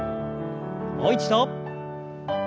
もう一度。